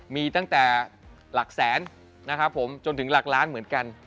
มีตั้งแต่หลักแสนนะครับผมจนถึงหลักล้านเหมือนกัน